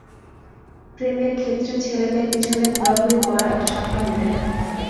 প্রেমের ক্ষেত্রে ছেলে মেয়ের পিছেন ঘুরাঘুরি করা একটা সাধারণ বিষয়।